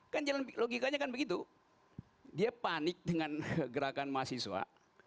kan jalan logikanya begitu dia panik dengan gerakan mahasiswa